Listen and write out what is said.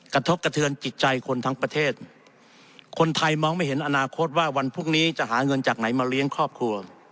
กระทบกระเทือนจิตใจคนทั้งประเทศคนไทยมองไม่เห็นอนาคตว่าวันพรุ่งนี้จะหาเงินจากไหนมาเลี้ยงครอบครัว